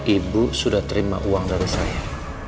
ibu sudah terima uang dari saya